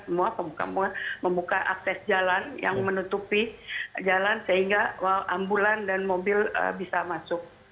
semua pemuka membuka akses jalan yang menutupi jalan sehingga ambulan dan mobil bisa masuk